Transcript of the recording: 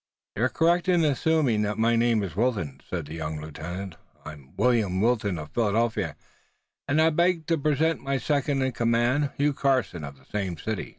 "You're correct in assuming that my name is Wilton," said the young lieutenant. "I'm William Wilton, of Philadelphia, and I beg to present my second in command, Hugh Carson, of the same city."